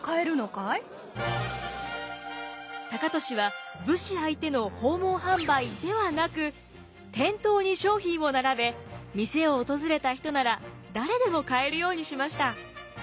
高利は武士相手の訪問販売ではなく店頭に商品を並べ店を訪れた人なら誰でも買えるようにしました。